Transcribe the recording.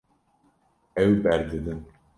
Ew berdidin.